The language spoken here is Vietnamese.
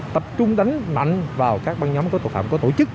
tập trung đánh mạnh vào các băng nhóm tội phạm có tổ chức